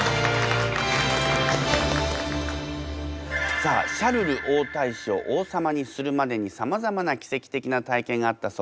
さあシャルル王太子を王様にするまでにさまざまな奇跡的な体験があったそうです。